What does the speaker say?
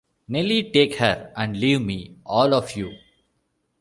Nelly, take her; and leave me, all of you!